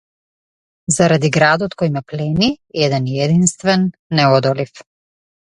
Заради градот кој ме плени - еден и единствен, неодолив.